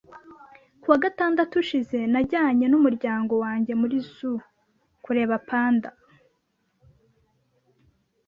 Ku wa gatandatu ushize, najyanye n'umuryango wanjye muri zoo kureba panda